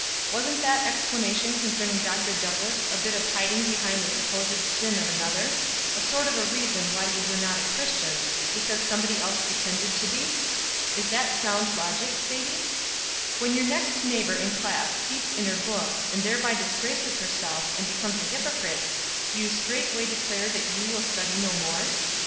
Wasn't that exclamation concerning Dr. Douglass a bit of hiding behind the supposed sin of another a sort of a reason why you were not a Christian, because somebody else pretended to be? Is that sound logic, Sadie? When your next neighbor in class peeps in her book, and thereby disgraces herself, and becomes a hypocrite, do you straightway declare that you will study no more?